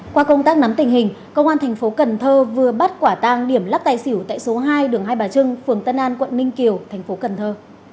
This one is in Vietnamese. qua công tác nắm tình hình công an thành phố cần thơ vừa bắt quả tang điểm lắc tài xỉu tại số hai đường hai bà trưng phường tân an quận ninh kiều thành phố cần thơ